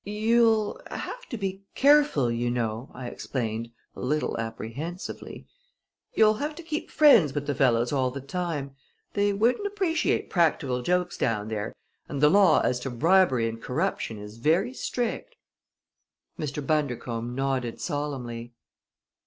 "You'll have to be careful, you know," I explained, a little apprehensively. "You'll have to keep friends with the fellows all the time. They wouldn't appreciate practical jokes down there and the law as to bribery and corruption is very strict." Mr. Bundercombe nodded solemnly.